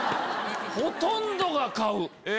ほとんどが買う。